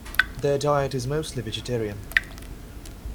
Their diet is mostly vegetarian.